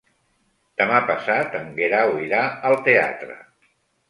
Demà passat en Guerau irà al teatre.